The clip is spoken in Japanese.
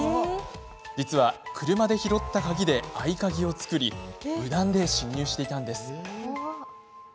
実は、車で拾った鍵で合鍵を作り無断で侵入していたんです。